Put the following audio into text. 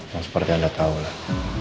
yang seperti anda tahu lah